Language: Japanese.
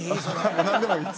何でもいいです。